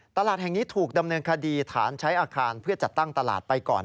ตลาดแห่งนี้ถูกดำเนินคดีฐานใช้อาคารเพื่อจัดตั้งตลาดไปก่อน